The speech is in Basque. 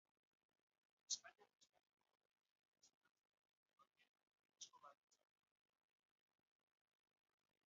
Espainiako Estatuko botereek nekez onartzen dituzten horiek, asko baldintzatuko dituena.